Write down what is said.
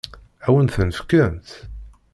Ad wen-ten-fkent?